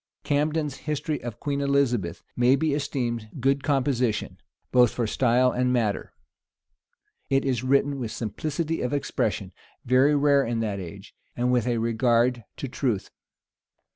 Camden's history of Queen Elizabeth may be esteemed good composition, both for style and matter. It is written with simplicity of expression, very rare in that age, and with a regard to truth.